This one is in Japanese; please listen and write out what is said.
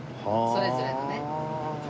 それぞれのね。